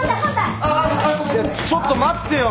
ちょっと待ってよ。